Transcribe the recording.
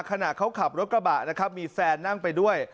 ขณะเขาขับรถกระบะนะครับมีแฟนนั่งไปด้วย